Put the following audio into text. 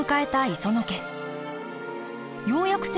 磯野家